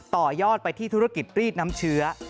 ต่อยอดไปที่ธุรกิจรีดน้ำเชื้อ